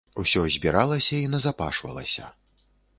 Усё збіралася і назапашвалася.